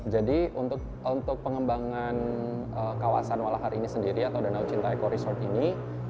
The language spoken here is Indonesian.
jadi untuk pengembangan kawasan walahar ini sendiri atau danau cinta eco resort ini